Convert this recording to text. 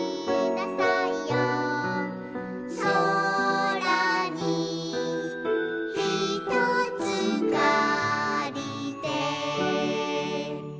「そらにひとつかりて」